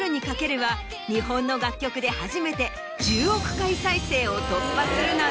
日本の楽曲で初めて１０億回再生を突破するなど。